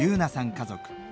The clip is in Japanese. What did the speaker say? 家族。